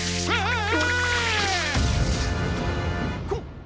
あっ！